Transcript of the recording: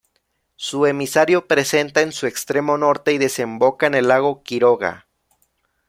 Su emisario presenta en su extremo norte y desemboca en el lago Quiroga.